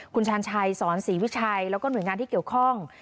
คุณชาญชัยสอนศรีวิชัยแล้วก็หน่วยงานที่เกี่ยวข้อง